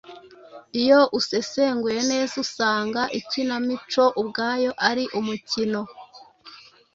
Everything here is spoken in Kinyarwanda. Iyo usesenguye neza usanga ikinamico ubwayo ari umukino,